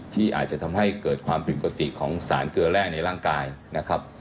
ที่อาจจะทำให้เกิดความผิดปกติของสารเกลือแร่ในร่างกายนะครับ